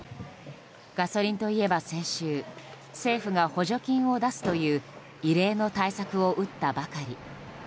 ガソリンといえば、先週政府が補助金を出すという異例の対策を打ったばかり。